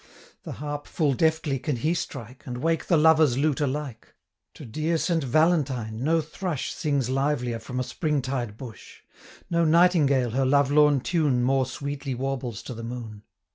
The harp full deftly can he strike, And wake the lover's lute alike; To dear Saint Valentine, no thrush 120 Sings livelier from a spring tide bush, No nightingale her love lorn tune More sweetly warbles to the moon.